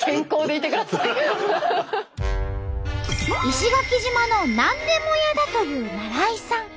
石垣島の何でも屋だという那良伊さん。